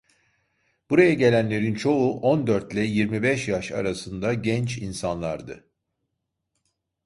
Buraya gelenlerin çoğu on dörtle yirmi beş yaş arasında genç insanlardı.